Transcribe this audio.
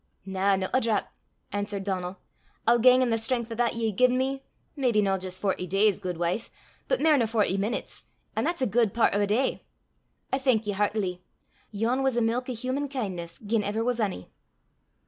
"Na, no a drap," answered Donal. "I'll gang i' the stren'th o' that ye hae gi'en me maybe no jist forty days, guidwife, but mair nor forty minutes, an' that's a guid pairt o' a day. I thank ye hertily. Yon was the milk o' human kin'ness, gien ever was ony."